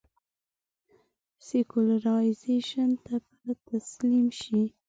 سیکولرایزېشن ته به تسلیم شي.